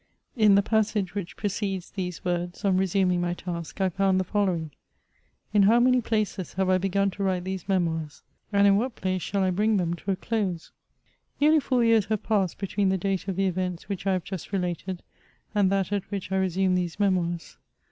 In the passi^ which precedes these words, on resuming my task, I found the following :" In how many places have I begun to write these Memoirs, and in what place shall I bring them to a close ?" Nearly four years have passed between the date of the events which I have just related and that at which I resume these Memoirs.